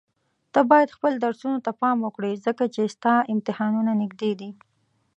ته بايد خپل درسونو ته پام وکړي ځکه چي ستا امتحانونه نيږدي دي.